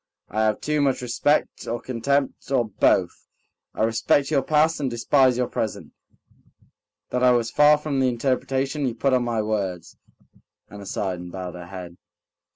I have too much respect or contempt, or both ... I respect your past and despise your present ... that I was far from the interpretation you put on my words." Anna sighed and bowed her head.